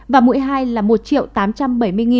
và mũi hai là